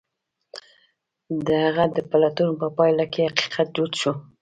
د هغه د پلټنو په پايله کې حقيقت جوت شو.